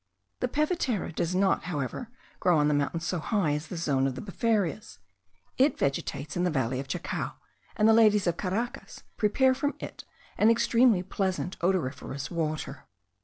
The pevetera does not, however, grow on the mountains so high as the zone of the befarias; it vegetates in the valley of Chacao, and the ladies of Caracas prepare from it an extremely pleasant odoriferous water.